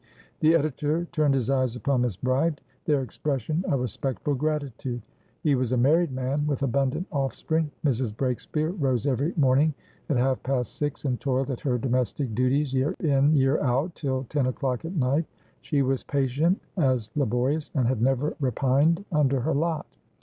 The editor turned his eyes upon Miss Bride, their expression a respectful gratitude. He was a married man, with abundant offspring. Mrs. Breakspeare rose every morning at half past six, and toiled at her domestic duties, year in year out, till ten o'clock at night; she was patient as laborious, and had never repined under her lot.